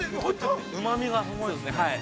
うまみがすごいですね。